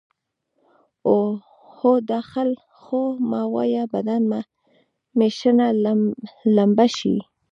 اوهو دا خو مه وايه بدن مې شنه لمبه شي.